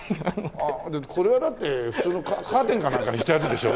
これはだってカーテンかなんかにしたやつでしょ？